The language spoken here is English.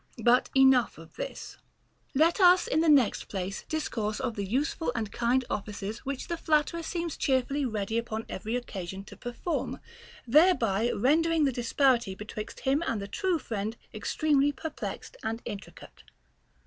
But enough of this. 21. Let us in the next place discourse of the useful and kind offices which the flatterer seems cheerfully ready upon every occasion to perform, thereby rendering the disparity betwixt him and the true friend extremely perplexed and intricate.